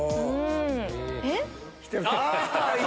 えっ？